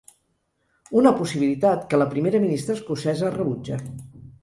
Una possibilitat que la primera ministra escocesa rebutja.